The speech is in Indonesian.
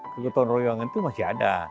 kegotong royongan itu masih ada